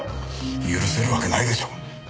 許せるわけないでしょ。